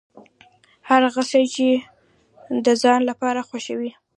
هر هغه څه چې د ځان لپاره خوښوې.